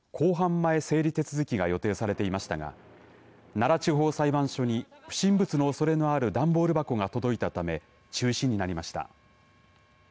前整理手続きが予定されていましたが奈良地方裁判所に不審物のおそれのある段ボール箱が届いたため中止になりました。